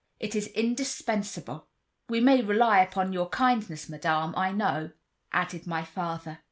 It is indispensable." "We may rely upon your kindness, Madame, I know," added my father.